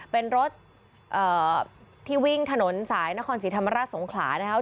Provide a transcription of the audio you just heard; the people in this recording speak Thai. เป็นรถที่วิ่งถนนสายนครศรีธรรมราชสงขลานะครับ